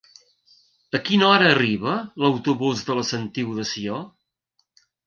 A quina hora arriba l'autobús de la Sentiu de Sió?